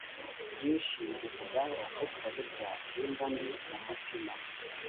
byinshi mbivugaho kuko burya simba ndi mu mutima